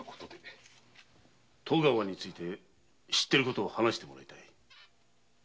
戸川について知ってることを話してもらいたい。